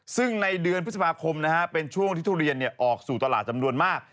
ซึ่งในเดือนพฤษภาคมเป็นช่วงที่ทุเรียนออกสู่ตลาดจำนวนมาก